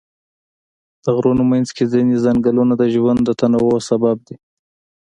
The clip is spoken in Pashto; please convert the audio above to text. د غرونو منځ کې ځینې ځنګلونه د ژوند د تنوع سبب دي.